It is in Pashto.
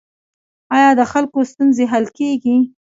آیا د خلکو ستونزې حل کیږي؟